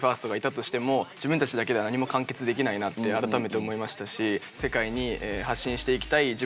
ＢＥ：ＦＩＲＳＴがいたとしても自分たちだけでは何も完結できないなって改めて思いましたし世界に発信していきたい